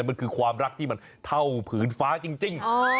มันคือความรักที่มันเท่าผืนฟ้าจริง